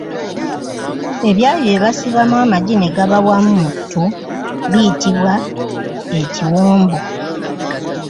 Ebyayi bye basibamu amagi ne gaba wamu mu ttu biyitibwa ekiwombo